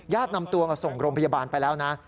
นำตัวส่งโรงพยาบาลไปแล้วนะ